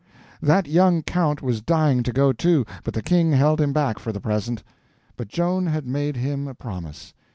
That young count was dying to go, too, but the King held him back for the present. But Joan had made him a promise.